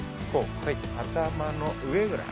頭の上ぐらい。